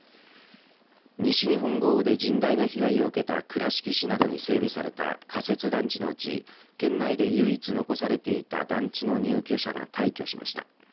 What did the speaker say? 西日本豪雨で甚大な被害を受けた倉敷市などに整備された仮設団地のうち県内で唯一残されていた団地の入居者が退去しました。